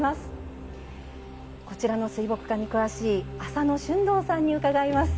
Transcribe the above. こちらの水墨画に詳しい浅野俊道さんに伺います。